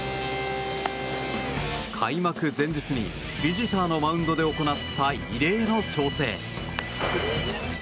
開幕前日に、ビジターのマウンドで行った異例の調整。